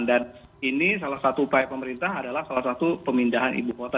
dan ini salah satu upaya pemerintah adalah salah satu pemindahan ibu kota